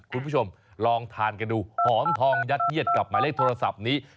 คุณผู้ชมลองทานกันดูหอมทองยัดเยียดกับหมายเลขโทรศัพท์นี้